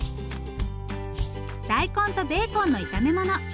大根とベーコンの炒めもの。